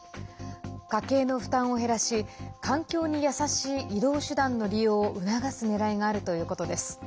家計の負担を減らし環境に優しい移動手段の利用を促すねらいがあるということです。